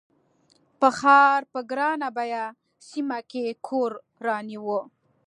په ښار په ګران بیه سیمه کې کور رانیوه.